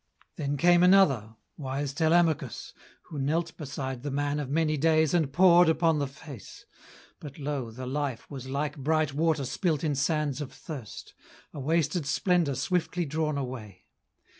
Then came another wise Telemachus Who knelt beside the man of many days And pored upon the face; but lo, the life Was like bright water spilt in sands of thirst, A wasted splendour swiftly drawn away.